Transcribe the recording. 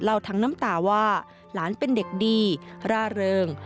ทั้งน้ำตาว่าหลานเป็นเด็กดีร่าเริง